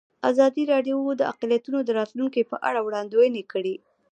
ازادي راډیو د اقلیتونه د راتلونکې په اړه وړاندوینې کړې.